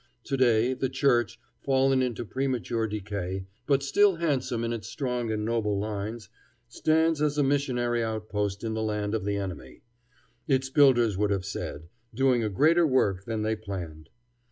To day the church, fallen into premature decay, but still handsome in its strong and noble lines, stands as a missionary outpost in the land of the enemy, its builders would have said, doing a greater work than they planned.